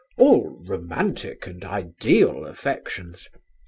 "All romantic and ideal affections.